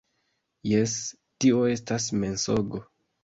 - Jes, - Tio estas mensogo.